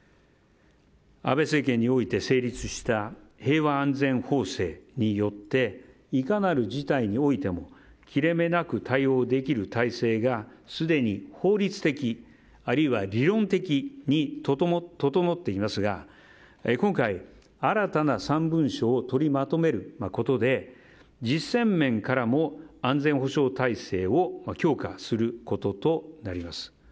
安倍政権において成立した平和安全法制においていかなる事態においても切れ目なく対応できる体制がすでに法律的、あるいは理論的に整っていますが今回、新たな３文書を取りまとめることで実践面からも安全保障体制を強化することとなります。